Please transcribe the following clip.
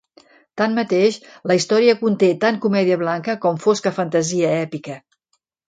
Tanmateix, la història conté tant comèdia blanca com fosca fantasia èpica.